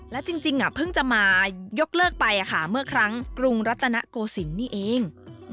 และจริงเพิ่งจะมายกเลิกไปเมื่อครั้งกรุงรัตนโกศิลป์นี่เอง